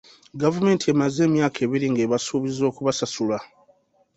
Gavumenti emaze emyaka ebiri ng'ebasuubiza okubasasula.